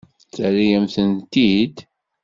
Terra-yam-tent-id?